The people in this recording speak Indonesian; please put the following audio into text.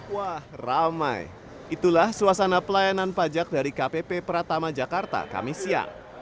wah ramai itulah suasana pelayanan pajak dari kpp pratama jakarta kami siang